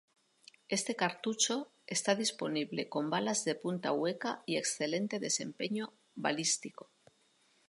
Este cartucho está disponible con balas de punta hueca y excelente desempeño balístico.